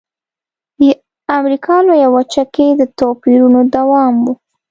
د امریکا لویه وچه کې د توپیرونو دوام و.